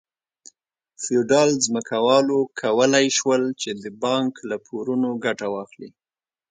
فیوډال ځمکوالو کولای شول چې د بانک له پورونو ګټه واخلي.